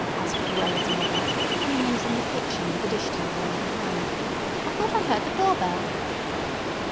asked Luella's mother, coming in from the kitchen with a dish towel in her hand. "I thought I heard the door bell."